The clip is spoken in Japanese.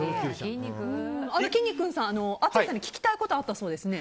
きんに君さん、淳さんに聞きたいことがあったそうですね。